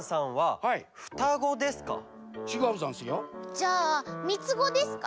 じゃあみつごですか？